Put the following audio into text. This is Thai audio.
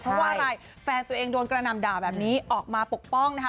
เพราะว่าอะไรแฟนตัวเองโดนกระหน่ำด่าแบบนี้ออกมาปกป้องนะคะ